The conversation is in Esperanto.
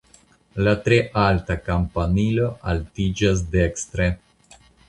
La tre alta kampanilo altiĝas dekstre.